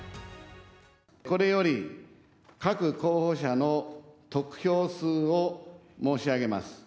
これより各候補者の得票数を申し上げます。